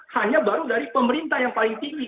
hanya baru dari pemerintah yang paling tinggi